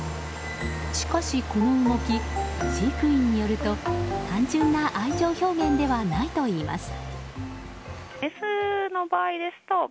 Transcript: しかしこの動き、飼育員によると単純な愛情表現ではないといいます。